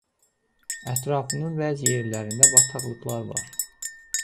Ətrafının bəzi yerlərində bataqlıqlar var.